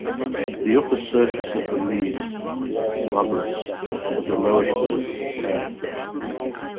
The upper surface of the leaves is glabrous but the lower surface is hairy.